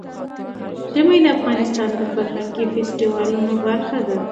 ژمی د افغانستان د فرهنګي فستیوالونو برخه ده.